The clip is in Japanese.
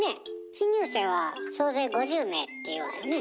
新入生は「総勢５０名」って言うわよね。